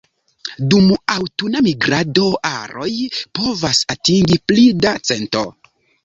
Dum aŭtuna migrado aroj povas atingi pli da cento.